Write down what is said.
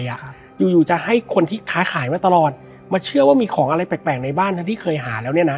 ครับอยู่อยู่จะให้คนที่ค้าขายมาตลอดมาเชื่อว่ามีของอะไรแปลกแปลกในบ้านทั้งที่เคยหาแล้วเนี่ยนะ